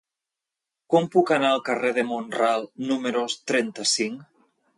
Com puc anar al carrer de Mont-ral número trenta-cinc?